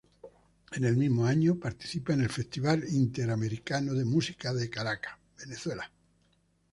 En el mismo año participa en el Festival Interamericano de Música en Caracas, Venezuela.